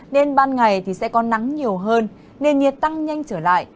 nên ban ngày thì sẽ có nắng nhiều hơn nền nhiệt tăng nhanh trở lại